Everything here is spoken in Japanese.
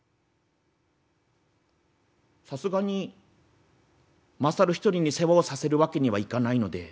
「さすがにまさる一人に世話をさせるわけにはいかないので。